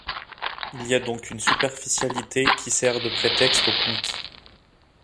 Il y a donc une superficialité qui sert de prétexte au conte.